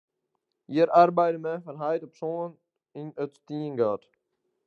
Hjir arbeide men fan heit op soan yn it stiengat.